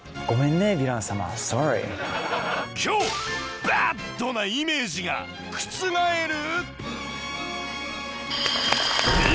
今日バッドなイメージが覆る！？